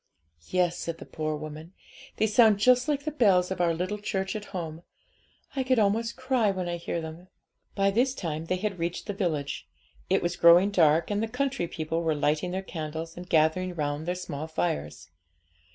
'Yes,' said the poor woman; 'they sound just like the bells of our little church at home; I could almost cry when I hear them.' By this time they had reached the village. It was growing dark, and the country people were lighting their candles, and gathering round their small fires.